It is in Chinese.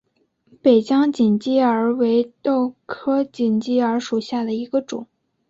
北疆锦鸡儿为豆科锦鸡儿属下的一个种。